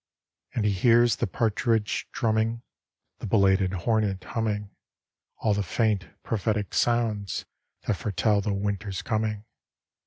And he hears the partridge drumming, The belated hornet humming, All the faint, prophetic sounds That foretell the winter's coming.